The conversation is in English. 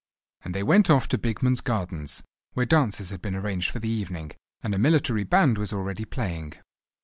And they went off to Bigman's Gardens, where dances had been arranged for the evening, and a military band was already playing.